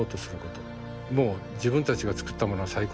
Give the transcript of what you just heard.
もう「自分たちが作ったものは最高」